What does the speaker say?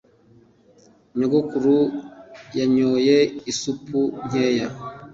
Nyogokuru yanyoye isupu nkeya.